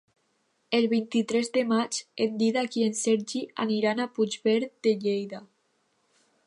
El vint-i-tres de maig en Dídac i en Sergi aniran a Puigverd de Lleida.